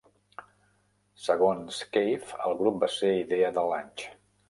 Segons Cave, el grup va ser idea de Lunch.